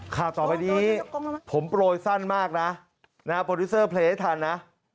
ข่าวต่อไปนี้ผมโปรยสั้นมากนะโปรดิวเซอร์เพลย์ให้ทันนะ